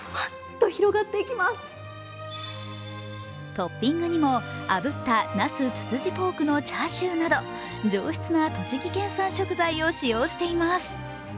トッピングにもあぶった那須つつじポークのチャーシューなど上質な栃木県産食材を使用しています。